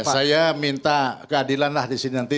saya minta keadilan lah di sini nanti